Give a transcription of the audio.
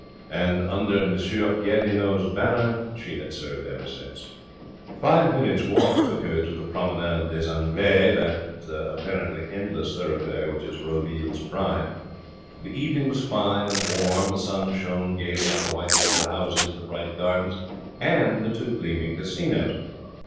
And under M. Gandinot's banner she had served ever since. Five minutes' walk took her to the Promenade des Anglais, that apparently endless thoroughfare which is Roville's pride. The evening was fine and warm. The sun shone gaily on the white walled houses, the bright Gardens, and the two gleaming casinos.